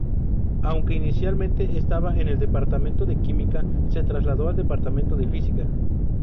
Aunque inicialmente estaba en el Departamento de Química, se trasladó al Departamento de Física.